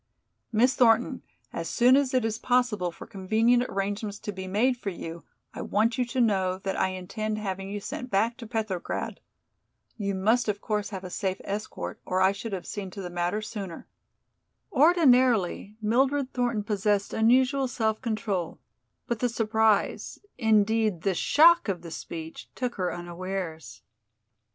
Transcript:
"Miss Thornton, as soon as it is possible for convenient arrangements to be made for you I want you to know that I intend having you sent back to Petrograd. You must of course have a safe escort or I should have seen to the matter sooner." Ordinarily Mildred Thornton possessed unusual self control, but the surprise, indeed, the shock of the speech, took her unawares.